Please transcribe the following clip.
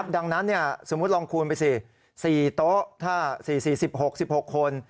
ดังนั้นสมมุติลองคูณไปสิ๔โต๊ะถ้า๔๔๖๑๖คน